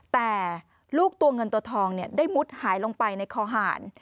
แต่ลูกตัวเงินตัวทองได้มุดหายลงไปในคอหาร